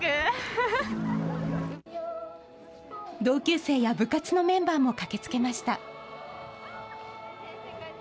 同級生や部活のメンバーも駆けつけました。